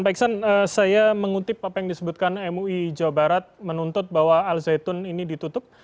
pak iksan saya mengutip apa yang disebutkan mui jawa barat menuntut bahwa al zaitun ini ditutup